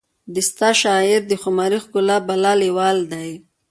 د ستا شاعر د خماري ښکلا بلا لیوال دی